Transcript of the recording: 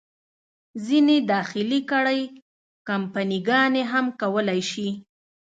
ځینې داخلي کړۍ، کمپني ګانې هم کولای شي.